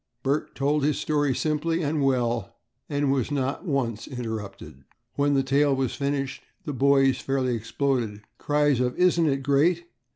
Bert told his story simply and well, and was not once interrupted. When the tale was finished the boys fairly exploded. Cries of "Isn't it great?"